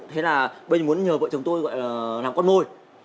thế là bây giờ muốn nhờ vợ chồng tôi gọi là làm con nuôi